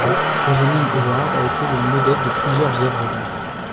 Rosalind Howard a été le modèle de plusieurs œuvres d'art.